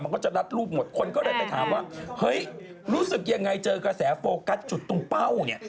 มันก็จะรัดรูปหมดคนก็เลยไปถามว่าเฮ้ยรู้สึกยังไงเจอกระแสโฟกัสจุดตรงเป้าเนี่ย